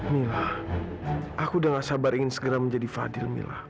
mila aku dengan sabar ingin segera menjadi fadil mila